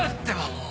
もう。